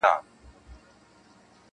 نو دا څنکه د ده څو چنده فایده ده-